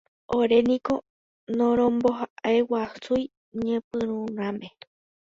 Oréniko noromomba'eguasúi ñepyrũrãme.